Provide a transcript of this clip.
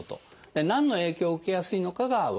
何の影響を受けやすいのかが分かるということです。